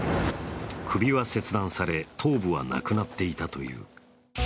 首は切断され、頭部はなくなっていたという。